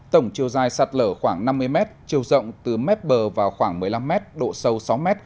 tổng chiều dài sạt lở khoảng năm mươi m chiều rộng từ mép bờ vào khoảng một mươi năm m độ sâu sáu m